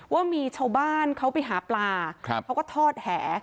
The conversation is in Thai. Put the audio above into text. ว่ามีชาวบ้านเขาไปหาปลาเขาก็ทอดแห